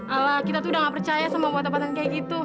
ala kita tuh udah gak percaya sama obat obatan kayak gitu